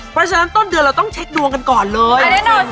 เพราะฉะนั้นต้นเดือนเราต้องเช็คดวงกันก่อนเลย